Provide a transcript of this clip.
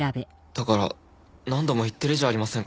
だから何度も言ってるじゃありませんか。